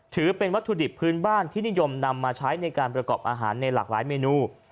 ถือเป็นวัตถุดิบพื้นบ้านที่นิยมนำมาใช้ในการประกอบอาหารในหลากหลายเมนู